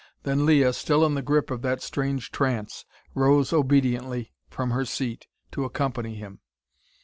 Then Leah, still in the grip of that strange trance, rose obediently from her seat to accompany him.